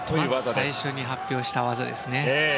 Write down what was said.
最初に発表した技ですね。